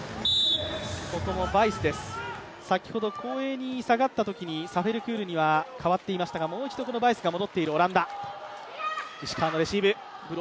ここもバイスです、先ほど後衛に下がったときはサフェルクールには代わっていましたが、もう一度このバイスが戻っているオランダ。